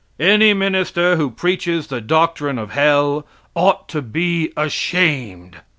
Any minister who preaches the doctrine of hell ought to be ashamed.